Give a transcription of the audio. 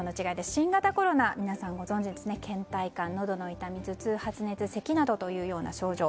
新型コロナ、皆さんご存じ倦怠感、のどの痛み頭痛、発熱、せきなどという症状。